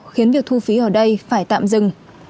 khiến việc thu phí ở đây phải tạm dừng